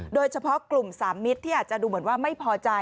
โดยเฉพาะกลุ่มสามมิตรที่อาจจะดูเหมือนว่าไม่พอใจ